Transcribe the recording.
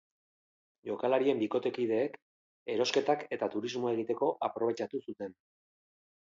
Jokalarien bikotekideek erosketak eta turismoa egiteko aprobetxatu zuten.